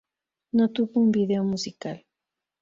No tuvo un video musical.